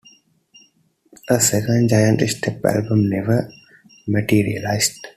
A second Giant Steps album never materialized.